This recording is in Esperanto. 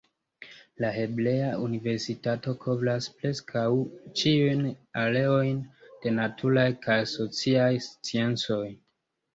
La Hebrea Universitato kovras preskaŭ ĉiujn areojn de naturaj kaj sociaj sciencoj.